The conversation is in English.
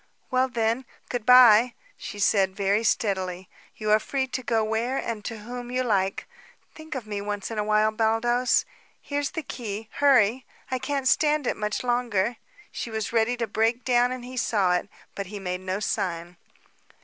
"Well, then, good bye," she said very steadily. "You are free to go where and to whom you like. Think of me once in awhile, Baldos. Here's the key. Hurry! I I can't stand it much longer!" She was ready to break down and he saw it, but he made no sign.